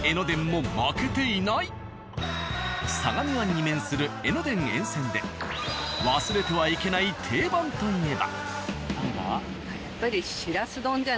相模湾に面する江ノ電沿線で忘れてはいけない定番といえば。